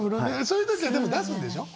そういう時はでも出すんでしょ？